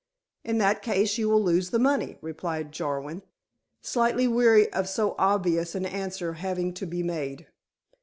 "In that case you will lose the money," replied Jarwin, slightly weary of so obvious an answer having to be made.